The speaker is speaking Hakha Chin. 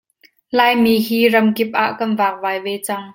Laimi hi ramkip ah kan vakvai ve cang.